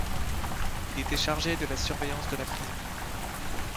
Il était chargé de la surveillance de la prison.